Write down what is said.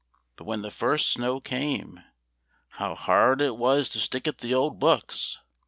But when the first snow came, how hard it was to stick at the old books!